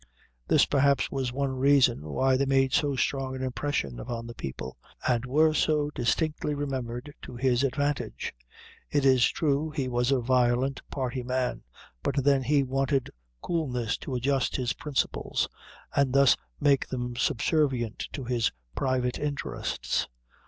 This perhaps was one reason why they made so strong an impression upon the people, and were so distinctly remembered to his advantage. It is true he was a violent party man, but then he wanted coolness to adjust his principles, and thus make them subservient to his private interests.